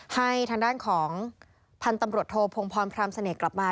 ให้ทางด้านของพันธุ์ตำรวจโทพงพรพรามเสน่ห์กลับมา